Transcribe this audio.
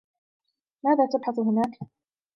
ماذا تبحث هناك؟